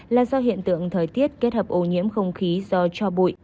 là do hiện tượng thời tiết kết hợp ô nhiễm không khí do cho bụi